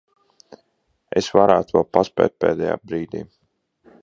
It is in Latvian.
Es varētu vēl paspēt pēdējā brīdī.